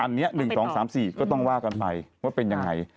อันนี้๑๒๓๔ก็ต้องว่ากันไปว่าเป็นยังไง